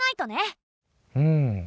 うん。